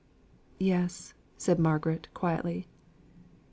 "Yes!" said Margaret, quietly.